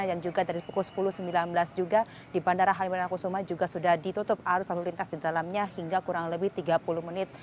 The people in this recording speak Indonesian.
dan juga dari pukul sepuluh sembilan belas juga di bandara halim perdana kusuma juga sudah ditutup arus lalu lintas di dalamnya hingga kurang lebih tiga puluh menit